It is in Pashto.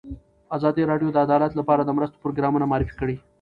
ازادي راډیو د عدالت لپاره د مرستو پروګرامونه معرفي کړي.